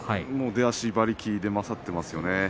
出足、馬力で勝っていますよね。